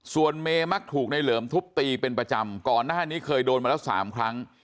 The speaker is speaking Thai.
ส่วนเมมักถูกในเหลิมทุบตีเป็นประจำก่อนหน้านี้เคยโดนมาแล้ว๓ครั้ง